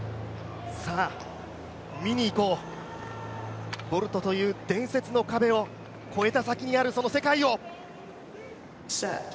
さあ、見に行こう、ボルトという伝説の壁を越えた先にあるその先の世界を。